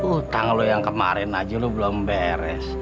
utang lo yang kemarin aja lo belum beres